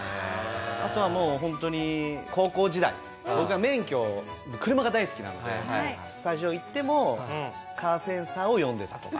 あとはもう本当に高校時代僕が免許を車が大好きなのでスタジオ行っても『カーセンサー』を読んでたとか。